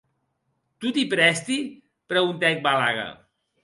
Toti prèsti?, preguntèc Balaga.